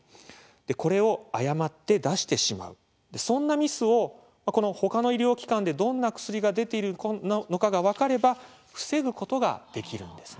これを誤って出してしまうそんなミスを他の医療機関でどんな薬が出ているのかが分かれば防ぐことができるんですね。